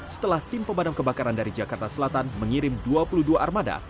setelah tim pemadam kebakaran dari jakarta selatan mengirim dua puluh dua armada